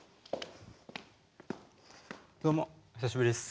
どうも久しぶりっす。